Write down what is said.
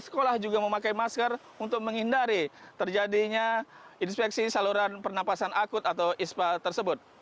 sekolah juga memakai masker untuk menghindari terjadinya inspeksi saluran pernapasan akut atau ispa tersebut